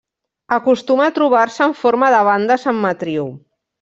Acostuma a trobar-se en forma de bandes en matriu.